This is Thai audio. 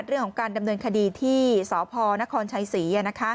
เรื่องของการดำเนินคดีที่สพนครชัยศรี